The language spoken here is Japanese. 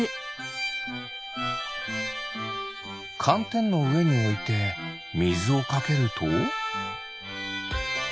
かんてんのうえにおいてみずをかけると？